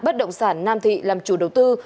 bất động sản nam thị làm chủ đầu tư